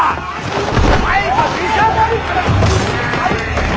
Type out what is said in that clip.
お前が出しゃばるから！